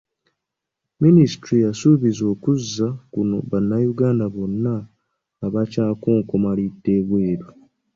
Minisitule yasuubizza okuzza kuno bannayuganda bonna abakyakonkomalidde ebweru.